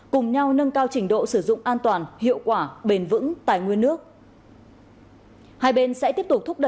cùng nhau nâng cao trình độ sử dụng an toàn hiệu quả bền vững tài nguyên nước